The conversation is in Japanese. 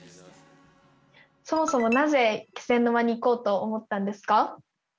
そもそもなぜ気仙沼に行こうと思ったんですか？